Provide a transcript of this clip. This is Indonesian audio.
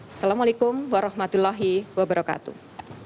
assalamualaikum warahmatullahi wabarakatuh